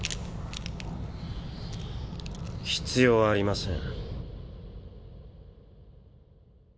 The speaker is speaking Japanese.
必要ありません。